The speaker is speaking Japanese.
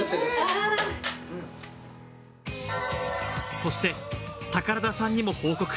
そして宝田さんにも報告。